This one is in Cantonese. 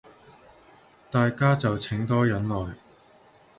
大家就請多忍耐